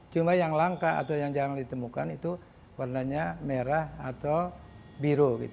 cuma yang langka atau yang jarang ditemukan itu warnanya merah atau biru